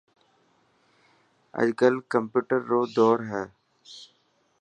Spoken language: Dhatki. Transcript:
اڄ ڪل ڪمپيوٽر رو دور هي.